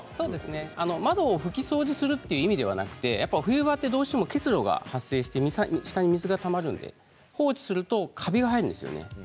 窓を拭き掃除するという意味ではなくて冬場はどうしても結露が発生して下に水がたまるので放置するとカビが生えるんですね。